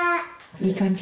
いい感じ？